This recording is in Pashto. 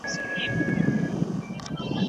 ترې راتاوه غاړهکۍ د دنګو غرونو